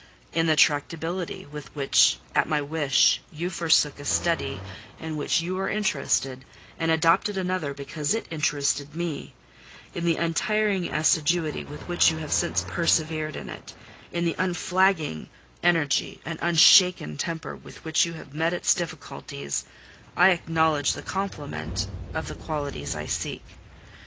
In the tractability with which, at my wish, you forsook a study in which you were interested, and adopted another because it interested me; in the untiring assiduity with which you have since persevered in it—in the unflagging energy and unshaken temper with which you have met its difficulties—I acknowledge the complement of the qualities I seek.